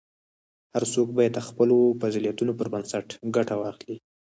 هر څوک باید د خپلو فضیلتونو پر بنسټ ګټه واخلي.